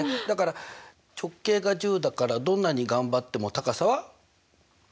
だから直径が１０だからどんなに頑張っても高さは？